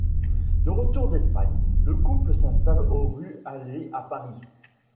De retour d'Espagne, le couple s'installe au rue Hallé à Paris.